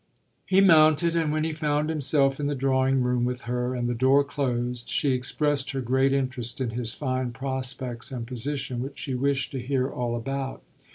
He mounted and when he found himself in the drawing room with her and the door closed she expressed her great interest in his fine prospects and position, which she wished to hear all about.